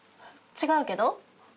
違うけど。